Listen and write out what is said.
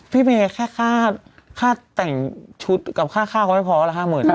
พี่เมแค่ค่ะค่าแต่งชุดกับค่าค่าเขาไม่พอแล้วห้ามึด